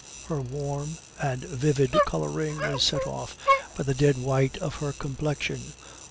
Her warm and vivid coloring was set off by the dead white of her complexion.